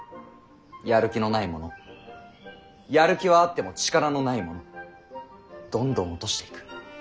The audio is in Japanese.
やる気のない者やる気はあっても力のない者どんどん落としていく。